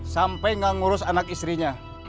sampai gak ngurus anak istrinya